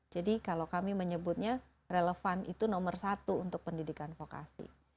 jadi kalau kami menyebutnya relevan itu nomor satu untuk pendidikan vokasi